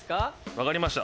分かりました。